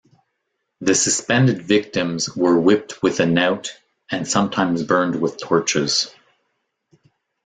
The suspended victims were whipped with a knout and sometimes burned with torches.